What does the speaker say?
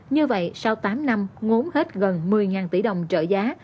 như vậy sau tám năm ngốn hết gần một mươi tỷ đồng trợ giá